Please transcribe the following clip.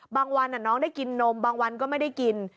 บางวันน้องได้กินนมบางวันก็ไม่ได้กิน